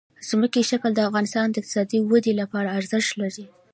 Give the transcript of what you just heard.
ځمکنی شکل د افغانستان د اقتصادي ودې لپاره ارزښت لري.